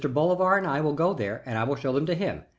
Bolivar and I will go there and I will show them to him.